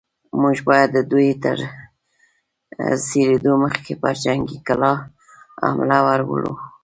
موږ بايد د دوی تر خبرېدو مخکې پر جنګي کلا حمله ور وړو.